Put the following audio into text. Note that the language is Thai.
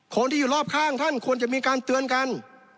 คนที่อยู่รอบข้างท่านควรจะมีการเตือนกัน